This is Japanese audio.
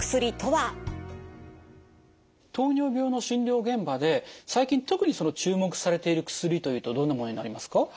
糖尿病の診療現場で最近特にその注目されている薬というとどんなものになりますか？